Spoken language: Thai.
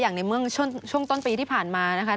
อย่างในเมื่องช่วงต้นปีที่ผ่านมานะครับ